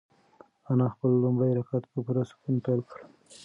انا خپل لومړی رکعت په پوره سکون پیل کړ.